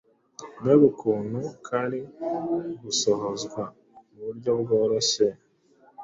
mbega ukuntu kari gusohozwa mu buryo bworoshye